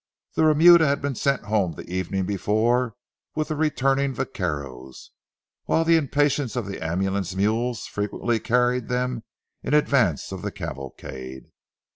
The remuda had been sent home the evening before with the returning vaqueros, while the impatience of the ambulance mules frequently carried them in advance of the cavalcade.